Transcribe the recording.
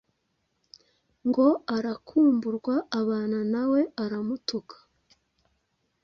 ngo arakamburwa abana, nawe aramutuka,